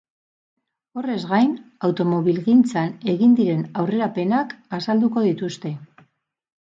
Horrez gain, automobilgintzan egin diren aurrerapenak azalduko dituzte.